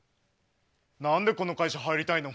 何でこの会社入りたいの？